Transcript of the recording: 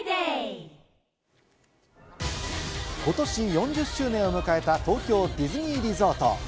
４０周年を迎えた東京ディズニーリゾート。